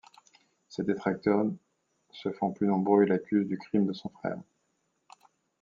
Ses détracteurs se font plus nombreux et l'accusent du crime de son frère.